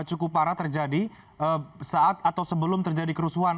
cukup parah terjadi saat atau sebelum terjadi kerusuhan